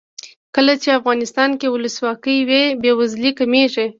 کله چې افغانستان کې ولسواکي وي بې وزلي کمیږي.